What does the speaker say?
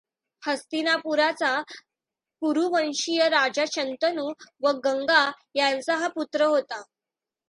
हस्तिनापुराचा कुरुवंशीय राजा शंतनू व गंगा यांचा हा पुत्र होता.